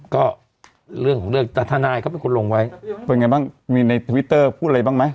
ก็เรื่องของเรื่องแต่ทนายเขาเป็นคนลงไว้เป็นไงบ้างมีในทวิตเตอร์พูดอะไรบ้างไหม